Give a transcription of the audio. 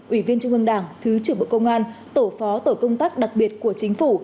ủy viên trung ương đảng thứ trưởng bộ công an tổ phó tổ công tác đặc biệt của chính phủ